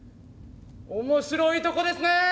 面白いとこですねえ